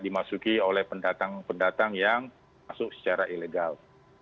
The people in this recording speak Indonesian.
dimasuki oleh pendatang pendatang yang masuk secara ilegal